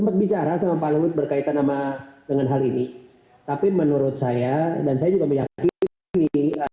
tapi menurut saya dan saya juga meyakini